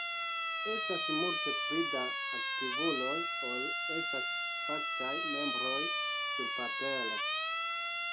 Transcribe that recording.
Estas multe pli da aktivuloj ol estas faktaj membroj surpapere.